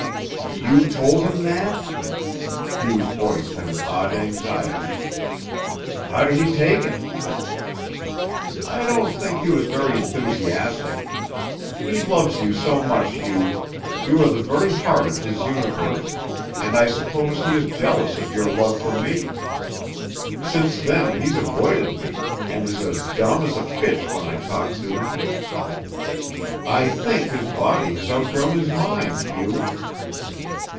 "You told him that?" Hugh's voice had an odd anxiety. "How did he take it?" "I don't think he was very enthusiastic. He loves you so much, Hugh; you are the very heart of his universe, and I suppose he is jealous of your love for me. Since then he's avoided me and is as dumb as a fish when I talk to him. I think his body has outgrown his mind, Hugh."